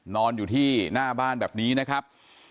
นอนอยู่ที่หน้าบ้านแบบนี้นะครับ